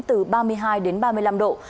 từ ba mươi hai đến ba mươi năm độ